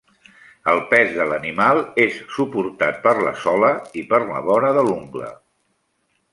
El pes de l'animal és suportat per la sola i per la vora de l'ungla.